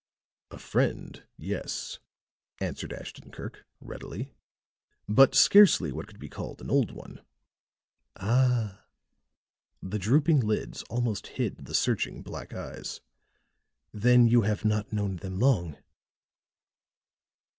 "A friend, yes," answered Ashton Kirk, readily. "But scarcely what could be called an old one." "Ah!" The drooping lids almost hid the searching black eyes. "Then you have not known them long?"